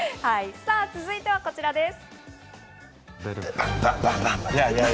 続いてはこちらです。